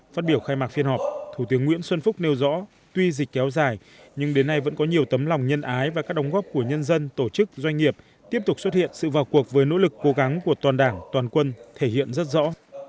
phát biểu khai mạc phiên họp thủ tướng nguyễn xuân phúc nêu rõ tuy dịch kéo dài nhưng đến nay vẫn có nhiều tấm lòng nhân ái và các đóng góp của nhân dân tổ chức doanh nghiệp tiếp tục xuất hiện sự vào cuộc với nỗ lực cố gắng của toàn đảng toàn quân thể hiện rất rõ